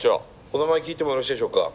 お名前聞いてもよろしいでしょうか？